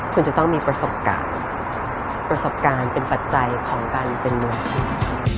คุณจะต้องมีประสบการณ์ประสบการณ์เป็นปัจจัยของการเป็นมืออาชีพ